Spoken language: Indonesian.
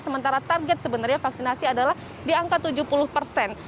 sementara target sebenarnya vaksinasi adalah di angka tujuh puluh persen